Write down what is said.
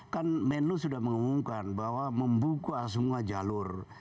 kan menlo sudah mengumumkan bahwa membuka semua jalur